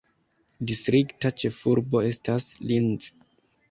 Distrikta ĉefurbo estas Linz.